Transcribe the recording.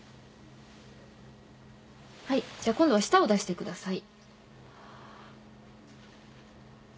はいじゃあ今度は舌を出してください。